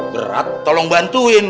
berat tolong bantuin